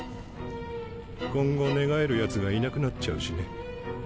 今後寝返るやつがいなくなっちゃうしね。